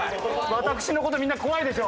私の事みんな怖いでしょ？